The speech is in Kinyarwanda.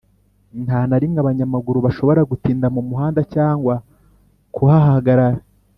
Nta na rimwe abanyamaguru bashobora gutinda mu muhanda cyangwa kuhahagarara